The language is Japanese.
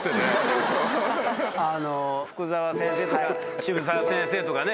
福澤先生とか渋沢先生とかね